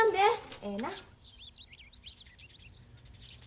ええな？